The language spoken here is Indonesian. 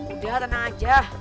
udah tenang aja